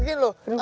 klo ke perubatan